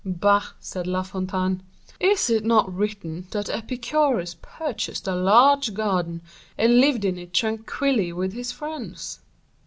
"Bah!" said La Fontaine, "is it not written that Epicurus purchased a large garden and lived in it tranquilly with his friends?"